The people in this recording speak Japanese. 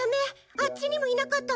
あっちにもいなかったわ。